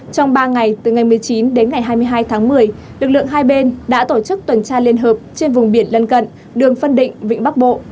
trong ba ngày từ ngày một mươi chín đến ngày hai mươi hai tháng một mươi lực lượng hai bên đã tổ chức tuần tra liên hợp trên vùng biển lân cận đường phân định vịnh bắc bộ